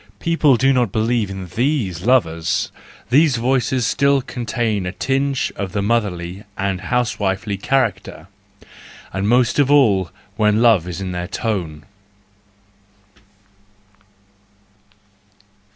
People do not believe in these lovers; these voices still contain a tinge of the motherly and housewifely character, and most of all when love is in their tone.